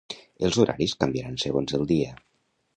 Els horaris canviaran segon el dia.